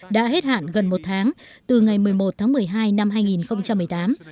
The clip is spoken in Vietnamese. đã hết hạn gần một tháng từ ngày một mươi một tháng một mươi hai năm hai nghìn một mươi tám